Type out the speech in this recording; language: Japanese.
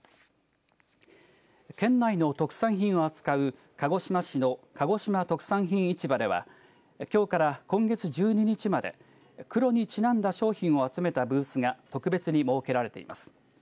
県内の特産品を扱う鹿児島市のかごしま特産品市場ではきょうから今月１２日まで黒にちなんだ商品を集めたブースが特別に設けられています。